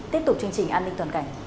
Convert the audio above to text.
tiếp tục chương trình an ninh toàn cảnh